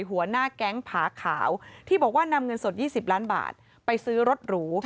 หัวหน้าแก๊งผาขาวที่บอกว่านำเงินสด๒๐ล้านบาทไปซื้อรถหรู